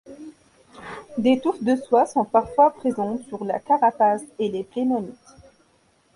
Des touffes de soies sont parfois présentes sur la carapace et les pléonites.